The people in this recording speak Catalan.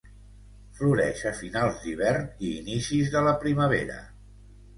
Floreix a finals d'hivern i inicis de la primavera.